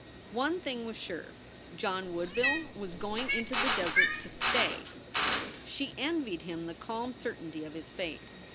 One thing was sure, John Woodville was going into the desert to "stay!" She envied him the calm certainty of his fate.